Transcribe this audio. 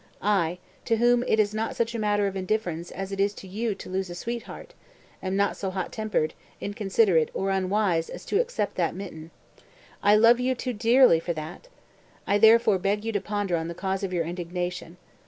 I, to whom it is not such a matter of indifference as it is to you to lose a sweetheart, am not so hot tempered, inconsiderate or unwise as to accept that mitten. I love you too dearly for that. I therefore beg you to ponder on the cause of your indignation.